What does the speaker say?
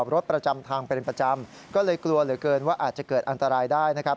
ประจำทางเป็นประจำก็เลยกลัวเหลือเกินว่าอาจจะเกิดอันตรายได้นะครับ